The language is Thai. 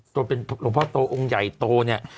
ตัวเป็นหลวงพ่อโตองค์ใหญ่โตเนี่ย